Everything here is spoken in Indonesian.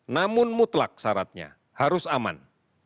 namun mutlak syaratnya harus aman